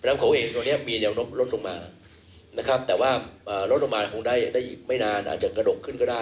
เพราะฉะนั้นอีสานที่ติดกับแม่โค้งนี่ก็ยังตรึงอยู่นะครับ